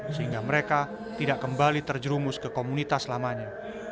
sehingga mereka tidak kembali terjerumus ke komunitas lamanya